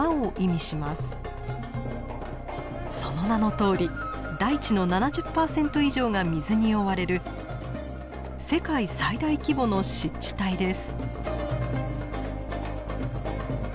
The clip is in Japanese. その名のとおり大地の７０％以上が水に覆われる世界最大規模の湿地帯です。